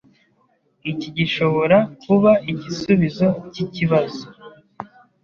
Iki gishobora kuba igisubizo cyikibazo.